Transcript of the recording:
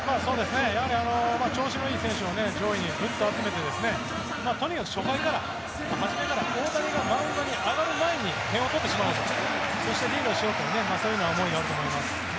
やはり調子のいい選手を上位にぐっと集めてとにかく初回から大谷がマウンドに上がる前に点を取ってしまおうそしてリードしようというそういう思いがあると思います。